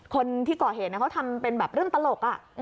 คนที่ก่อเหตุเขาทำเป็นแบบเรื่องตลก